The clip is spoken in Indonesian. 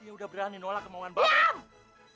dia udah berani nolak kemauan babek